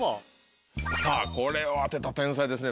さぁこれは当てたら天才ですね